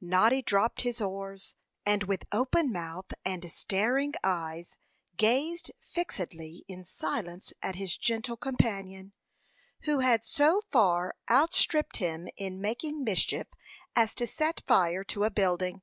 Noddy dropped his oars, and, with open mouth and staring eyes, gazed fixedly in silence at his gentle companion, who had so far outstripped him in making mischief as to set fire to a building.